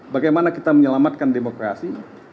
bagaimana kita menyelamatkan demokrasi